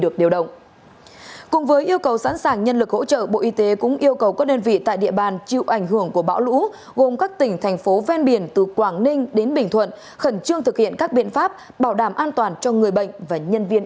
cùng yêu cầu sẵn sàng nhân lực hỗ trợ bộ y tế cũng yêu cầu các đơn vị tại địa bàn chịu ảnh hưởng của bão lũ gồm các tỉnh thành phố ven biển từ quảng ninh đến bình thuận khẩn trương thực hiện các biện pháp bảo đảm an toàn cho người bệnh và nhân viên